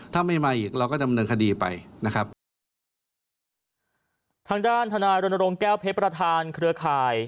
ทางด้านธนายรณรงค์แก้วเพชรประธานเครือคาย